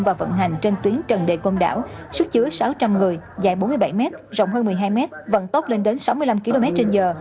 và vận hành trên tuyến trần đề côn đảo sức chứa sáu trăm linh người dài bốn mươi bảy m rộng hơn một mươi hai m vận tốc lên đến sáu mươi năm km trên giờ